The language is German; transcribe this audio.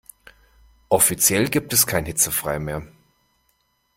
Offiziell gibt es kein hitzefrei mehr.